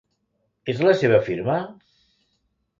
És la seva firma?